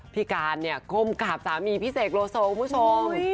พี่การเนี่ยก้มกราบสามีพี่เสกโลโซคุณผู้ชม